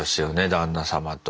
旦那様と。